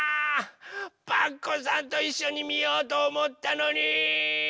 パクこさんといっしょにみようとおもったのに！